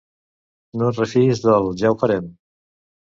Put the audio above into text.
No et refiïs del «ja ho farem».